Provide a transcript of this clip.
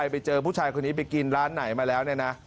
ไปเจอผู้ชายคนนี้ไปกินร้านไหนมาแล้วเนี่ยนะ